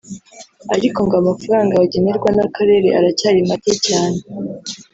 ariko ngo amafaranga bagenerwa n’akarere aracyari macye cyane